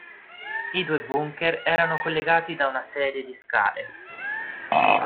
I due bunker erano collegati da una serie di scale.